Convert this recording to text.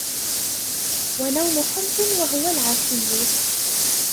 وَنَوْمُ حُمْقٍ وَهُوَ الْعَشِيُّ